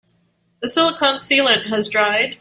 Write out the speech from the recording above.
The silicon sealant has dried.